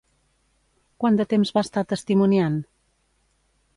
Quant de temps va estar testimoniant?